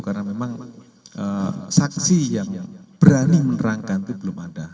karena memang saksi yang berani menerangkan itu belum ada